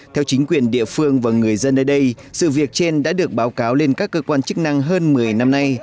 theo chính quyền địa phương và người dân ở đây sự việc trên đã được báo cáo lên các cơ quan chức năng hơn một mươi năm nay